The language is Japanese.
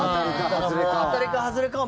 当たりか外れかを。